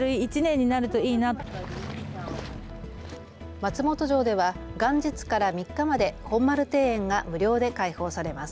松本城では元日から３日まで本丸庭園が無料で開放されます。